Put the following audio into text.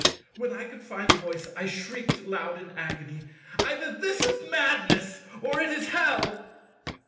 When I could find voice, I shrieked loud in agony, "Either this is madness or it is Hell."